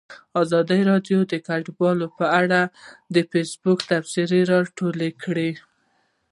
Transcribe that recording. ازادي راډیو د کډوال په اړه د فیسبوک تبصرې راټولې کړي.